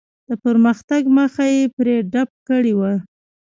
د پرمختګ مخه یې پرې ډپ کړې وه.